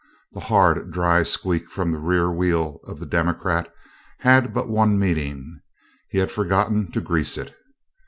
The hard dry squeak from the rear wheel of the "democrat" had but one meaning he had forgotten to grease it.